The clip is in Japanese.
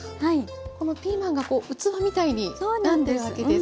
このピーマンが器みたいになってるわけですか。